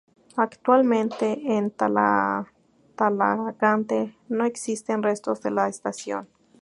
Actualmente en Talagante no existen restos de la estación.